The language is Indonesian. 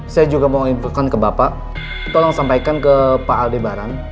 saya juga mau invokan ke bapak tolong sampaikan ke pak aldebaran